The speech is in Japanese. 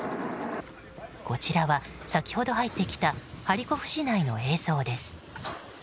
こちらは先ほど入ってきたハリコフ市内の映像です。